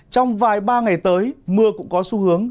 trong vài ba ngày tới mưa cũng có xu hướng